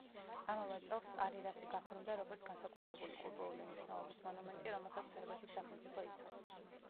ამავე წელს, სტარი-რასი გაფორმდა როგორც განსაკუთრებული კულტურული მნიშვნელობის მონუმენტი, რომელსაც სერბეთის სახელმწიფო იცავს.